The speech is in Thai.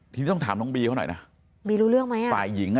ทีนี้ต้องถามน้องบีเขาหน่อยนะบีรู้เรื่องไหมอ่ะฝ่ายหญิงอ่ะ